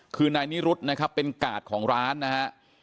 คือนายนิรุธนะครับเป็นกาดของร้านนะฮะ